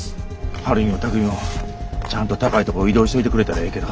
晴美も巧海もちゃんと高いとこ移動しといてくれたらええけど。